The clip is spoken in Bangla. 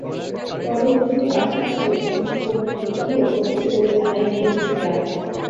তরল দুধের পাশাপাশি অন্য পণ্য বিক্রিও কমেছে বলে জানায় মিল্ক ভিটা।